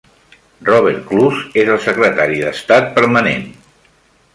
Robert Kloos és el secretari d'estat permanent.